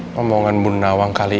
soalnya harusnya untuk mereka